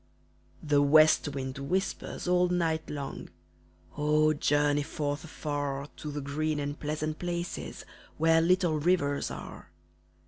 The west wind whispers all night long "Oh, journey forth afar To the green and pleasant places Where little rivers are!"